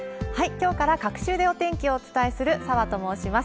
きょうから隔週でお天気をお伝えする澤と申します。